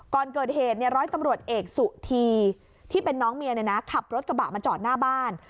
ก่อนเกิดเหตุร้อยตำรวจเอกสุธีที่เป็นน้องเมียขับรถกระบะมาจอดหน้าบ้าน